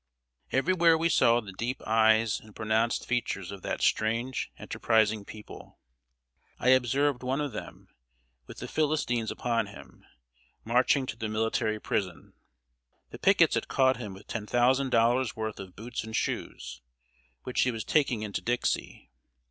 Everywhere we saw the deep eyes and pronounced features of that strange, enterprising people. I observed one of them, with the Philistines upon him, marching to the military prison. The pickets had caught him with ten thousand dollars' worth of boots and shoes, which he was taking into Dixie.